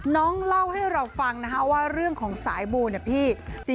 เล่าให้เราฟังนะคะว่าเรื่องของสายบูเนี่ยพี่